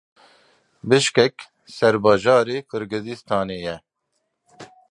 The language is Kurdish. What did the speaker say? Bişkek serbajarê Qirgizistanê ye.